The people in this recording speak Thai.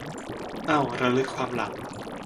เอ้า ระลึกความหลัง